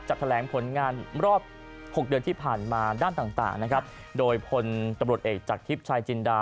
แถลงผลงานรอบหกเดือนที่ผ่านมาด้านต่างต่างนะครับโดยพลตำรวจเอกจากทิพย์ชายจินดา